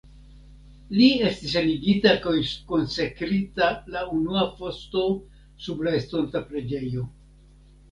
La estis enigita kaj konsekrita la unua fosto sub la estonta preĝejo.